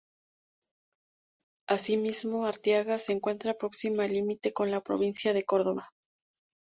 Asimismo, Arteaga se encuentra próxima al límite con la provincia de Córdoba.